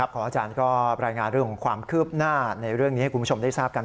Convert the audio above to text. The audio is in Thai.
ของอาจารย์ก็รายงานเรื่องของความคืบหน้าในเรื่องนี้ให้คุณผู้ชมได้ทราบกัน